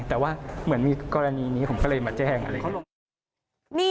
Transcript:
แต่ว่าเหมือนมีกรณีนี้ผมก็เลยมาแจ้งอะไรอย่างนี้